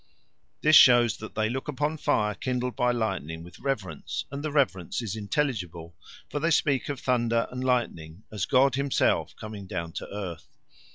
This shows that they look upon fire kindled by lightning with reverence, and the reverence is intelligible, for they speak of thunder and lightning as God himself coming down to earth.